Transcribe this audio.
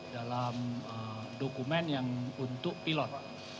dalam dokumen yang untuk pilot